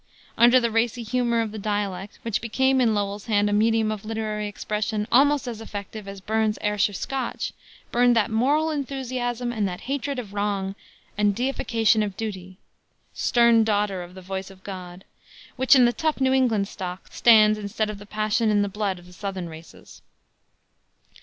Under the racy humor of the dialect which became in Lowell's hands a medium of literary expression almost as effective as Burns's Ayrshire Scotch burned that moral enthusiasm and that hatred of wrong and deification of duty "Stern daughter of the voice of God" which, in the tough New England stock, stands instead of the passion in the blood of southern races.